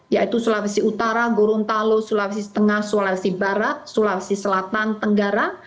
yaitu sulawesi utara gorontalo sulawesi tengah sulawesi barat sulawesi selatan tenggara